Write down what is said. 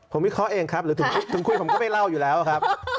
ผมวิเคราะห์เองครับหรือถึงคุยผมก็ไม่เล่าอยู่แล้วครับ